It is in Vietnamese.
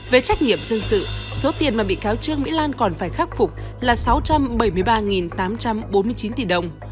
về trách nhiệm dân sự số tiền mà bị cáo trương mỹ lan còn phải khắc phục là sáu trăm bảy mươi ba tám trăm bốn mươi chín tỷ đồng